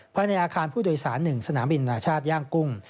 ภายในอาคารผู้โดยสาร๑สนามบินนาชาติย่างกุ้ง